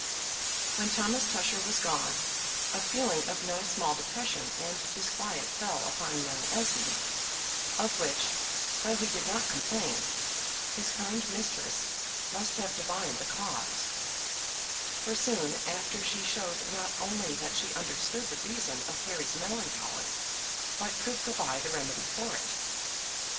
When Thomas Tusher was gone, a feeling of no small depression and disquiet fell upon young Esmond, of which, though he did not complain, his kind mistress must have divined the cause: for soon after she showed not only that she understood the reason of Harry's melancholy, but could provide a remedy for it.